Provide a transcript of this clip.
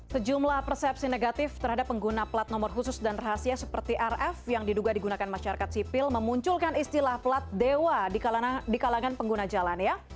sejumlah persepsi negatif terhadap pengguna plat nomor khusus dan rahasia seperti rf yang diduga digunakan masyarakat sipil memunculkan istilah plat dewa di kalangan pengguna jalan ya